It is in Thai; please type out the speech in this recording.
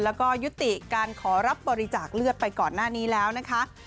แล้วก็ยุติการขอรับบริจาคเลือดไปก่อนหน้านี้แล้วนะคะ